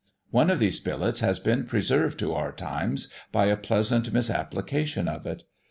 One of these billets has been preserved to our times by a pleasant misapplication of it.